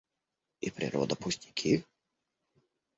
И природа пустяки?